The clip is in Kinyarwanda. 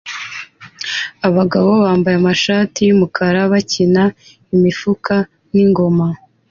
Abagabo bambaye amashati yumukara bakina imifuka ningoma